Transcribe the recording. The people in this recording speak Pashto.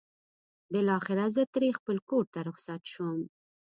بالاخره زه ترې خپل کور ته رخصت شوم.